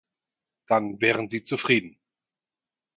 Dann wären Sie zufrieden.